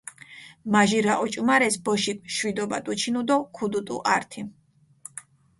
მაჟირა ოჭუმარეს ბოშიქ შვიდობა დუჩინუ დო ქუდუტუ ართი